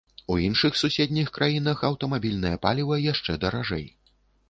У іншых суседніх краінах аўтамабільнае паліва яшчэ даражэй.